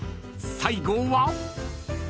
最後は］